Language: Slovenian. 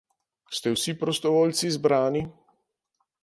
Ste vsi prostovoljci zbrani?